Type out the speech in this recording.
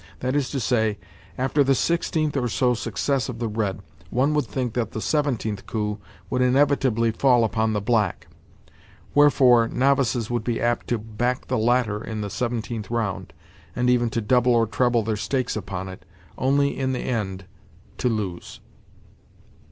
That is to say, after the sixteenth (or so) success of the red, one would think that the seventeenth coup would inevitably fall upon the black; wherefore, novices would be apt to back the latter in the seventeenth round, and even to double or treble their stakes upon it—only, in the end, to lose.